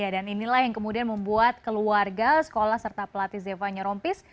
dan inilah yang kemudian membuat keluarga sekolah serta pelatih zevanya rompis